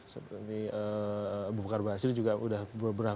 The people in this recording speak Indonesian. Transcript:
seperti ini bukar basri juga sudah berpengaruh